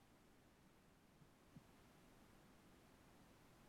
এটি পণ্যসম্ভার পরিবহনের দ্বারা ভারত বৃহত্তম বন্দর হয়ে ওঠে।